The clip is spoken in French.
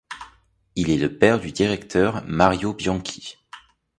Il est le père du directeur Mario Bianchi.